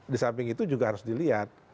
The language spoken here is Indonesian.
di samping itu juga harus dilihat